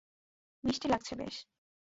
মিষ্টি লাগছে বেশ।